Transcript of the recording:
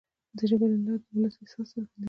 د ژبي له لارې د ولس احساسات څرګندیږي.